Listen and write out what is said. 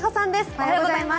おはようございます。